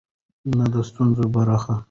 نه د ستونزې برخه.